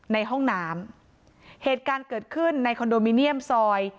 ในห้องน้ำเหตุการณ์เกิดขึ้นในคอนโดมิเนียมซอย